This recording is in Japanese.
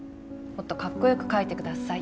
もっとカッコよく描いてください